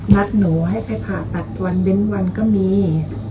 นัดหนูให้ไปผ่าตัดวันเว้นวันก็มี